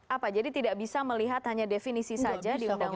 apa jadi tidak bisa melihat hanya definisi saja di undang undang